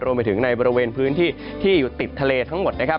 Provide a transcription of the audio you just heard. รวมไปถึงในบริเวณพื้นที่ที่อยู่ติดทะเลทั้งหมดนะครับ